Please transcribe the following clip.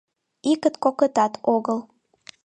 Икыт-кокытат огыл.